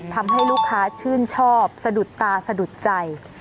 ทำให้ลูกค้าชื่นชอบสะดุดตาสะดุดใจ